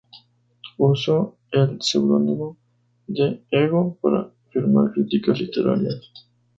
Usó el pseudónimo de "Ego" para firmar críticas literarias.